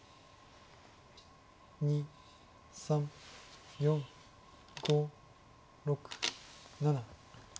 ２３４５６７。